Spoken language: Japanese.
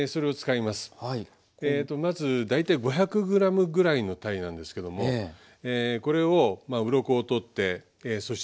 まず大体５００ｇぐらいのたいなんですけどもこれをウロコを取ってそして内臓